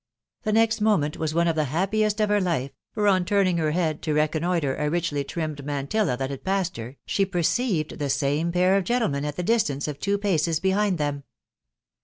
The next mmaentwia one of the happiest of her life, for on turning her head to reconnoitre a richly trimmed mantilla that had passed haKjSfe perceived the same nair of gentlemen at the distance, of tav paces behind them.